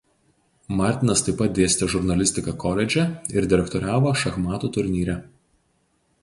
Martinas taip pat dėstė žurnalistiką koledže ir direktoriavo šachmatų turnyre.